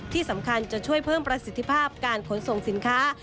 ที่สำคัญจะช่วยเพิ่มประสิทธิภาพการขนส่งสินค้า